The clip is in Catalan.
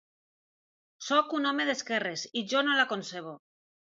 Sóc un home d’esquerres i jo no la concebo.